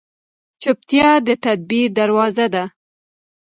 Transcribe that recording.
چپتیا، د تدبیر دروازه ده.